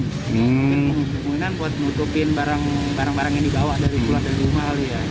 kemungkinan buat nutupin barang barang yang dibawa dari pulang dari rumah